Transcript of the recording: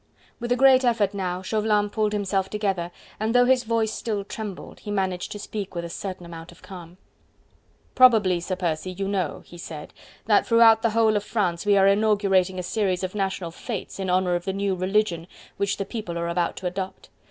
With a great effort now, Chauvelin pulled himself together and, though his voice still trembled, he managed to speak with a certain amount of calm: "Probably, Sir Percy, you know," he said, "that throughout the whole of France we are inaugurating a series of national fetes, in honour of the new religion which the people are about to adopt....